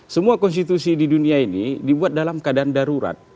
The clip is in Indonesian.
semua konstitusi di dunia ini dibuat dalam keadaan darurat